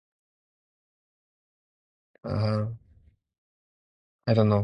Uh. I don't know.